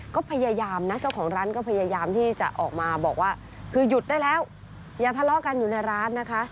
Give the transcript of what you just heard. ก็พยายามนะเจ้าของร้านก็พยายามที่จะออกมาบอกว่าคือหยุดได้แล้วอย่าทะเลาะกันอยู่ในร้านนะคะ